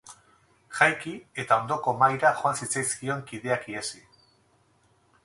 Jaiki eta ondoko mahaira joan zitzaizkion kideak ihesi.